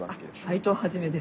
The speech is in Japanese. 斎藤一です。